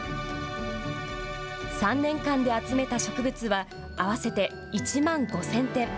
３年間で集めた植物は合わせて１万５０００点。